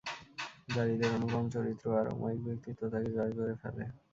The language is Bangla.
যারীদের অনুপম চরিত্র আর অমায়িক ব্যক্তিত্ব তাকে জয় করে ফেলে।